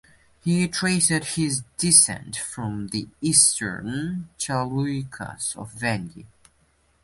He traced his descent from the Eastern Chalukyas of Vengi.